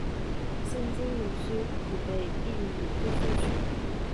现金阊区已被并入姑苏区。